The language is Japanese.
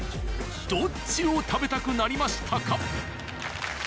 どっちを食べたくなりましたか？